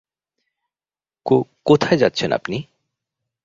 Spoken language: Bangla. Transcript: কো-কোথায় যাচ্ছেন আপনি?